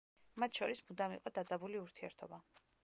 მათ შორის მუდამ იყო დაძაბული ურთიერთობა.